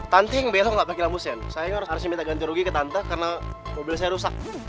tanting bilang gak pake lambusan saya harus minta ganti rugi ke tante karena mobil saya rusak